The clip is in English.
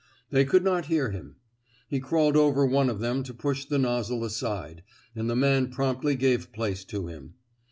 They could not hear him. He crawled over one of them to push the nozzle aside, and the man promptly gave place to him.